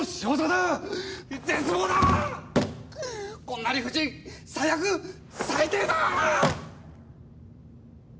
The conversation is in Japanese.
こんな理不尽最悪最低だー！